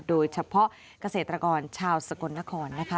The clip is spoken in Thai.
โดยเฉพาะเกษตรกรชาวสกลนครนะคะ